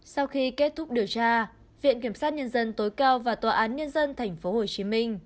sau khi kết thúc điều tra viện kiểm sát nhân dân tối cao và tòa án nhân dân tp hồ chí minh